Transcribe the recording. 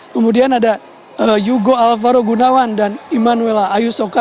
kemudian ada yugo alvaro gunawan dan immanuella ayusoka